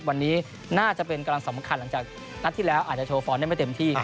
วันนี้น่าจะเป็นกำลังสำคัญหลังจากนัดที่แล้วอาจจะโชว์ฟอร์มได้ไม่เต็มที่